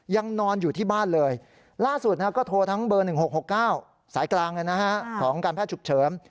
ยังนอนอยู่ที่บ้านเลยล่าสุดก็โทรทั้งเบอร์๑๖๖๙สายกลางของการแพทย์ฉุกเฉิน